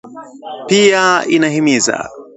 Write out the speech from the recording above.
Pia inahimiza